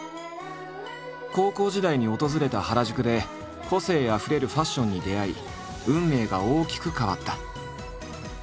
高校時代に訪れた原宿で個性あふれるファッションに出会い運命が大きく変わった。